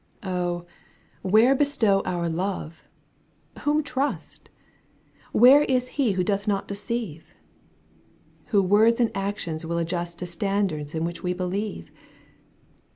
Oh ! where bestow our love ? Whom trust ?^ Where is he who doth not deceive ? Who words and actions will adjust To standards in which we believe